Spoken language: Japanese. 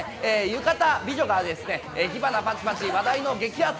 浴衣美女が火花バチバチ、話題の激アツ